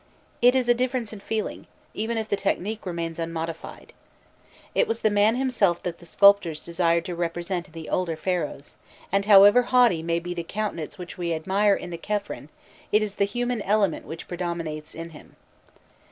It is a difference in feeling, even if the technique remains unmodified. It was the man himself that the sculptors desired to represent in the older Pharaohs, and however haughty may be the countenance which we admire in the Khephren, it is the human element which predominates in him.